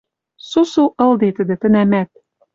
Сусу ылде тӹдӹ тӹнӓмӓт.